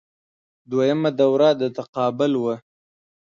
دویمه دوره د تقابل وه